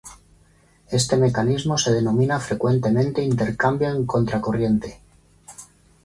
Este mecanismo se denomina frecuentemente intercambio en contracorriente.